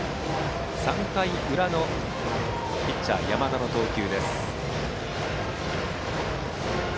３回裏のピッチャー、山田の投球。